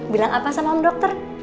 bilang apa sama om dokter